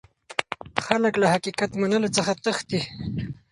خلک له حقيقت منلو څخه تښتي.